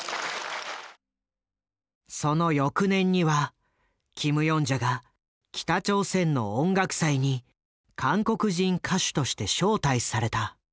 その翌年にはキム・ヨンジャが北朝鮮の音楽祭に韓国人歌手として招待された。